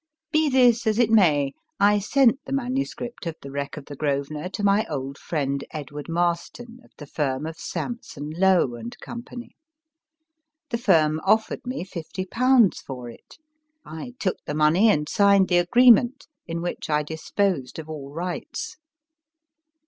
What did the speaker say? Be this as it may, I sent the manuscript of The Wreck of the " Grosvenor " to my old friend Edward Marston, of the firm of Sampson Low & Co. The firm offered me fifty pounds for it ; I took the money and signed the agreement, in which I disposed of all rights.